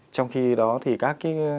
trong khi đó thì các cái